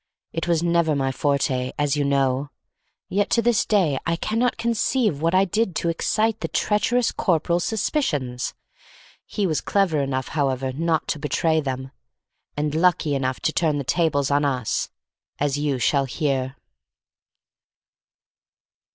It was never my forte, as you know, yet to this day I cannot conceive what I did to excite the treacherous corporal's suspicions. He was clever enough, however, not to betray them, and lucky enough to turn the tables on us, as you shall hear.